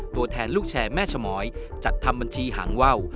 ตัวแทนลูกแชร์แม่ชมอยจัดทำบัญชีหางว่าว